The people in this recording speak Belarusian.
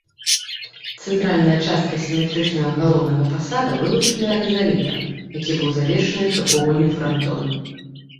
Цэнтральная частка сіметрычнага галоўнага фасада вылучаная рызалітам, які быў завершаны трохвугольным франтонам.